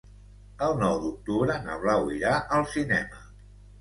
El nou d'octubre na Blau irà al cinema.